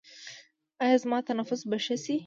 ایا زما تنفس به ښه شي؟